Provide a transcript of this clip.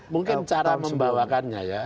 mungkin cara membawakannya ya